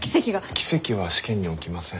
奇跡は試験に起きません。